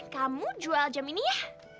kamu jual jam ini ya